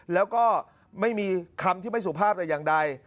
แล้วก็ไม่มีคำที่ไม่สุภาพแต่อย่างใด